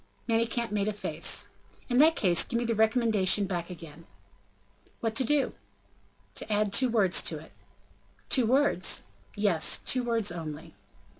Manicamp made a face. "In that case give me the recommendation back again." "What to do?" "To add two words to it." "Two words?" "Yes; two words only."